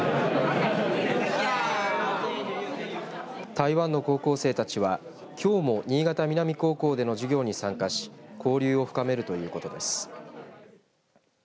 台湾の高校生たちはきょうも新潟南高校での授業に参加し交流を深めるということです。